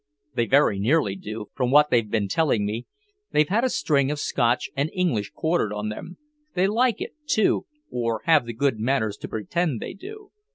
"They very nearly do, from what they've been telling me. They've had a string of Scotch and English quartered on them. They like it, too, or have the good manners to pretend they do.